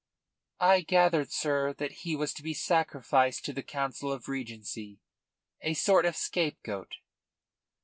"I gathered, sir, that he was to be sacrificed to the Council of Regency a sort of scapegoat."